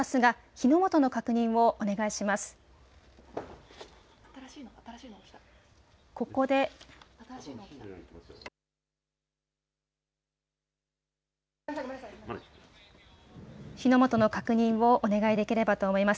火の元の確認をお願いできればと思います。